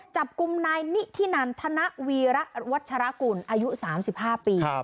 จับกลุ่มนายนิธินันธนวีระวัชรกุลอายุ๓๕ปี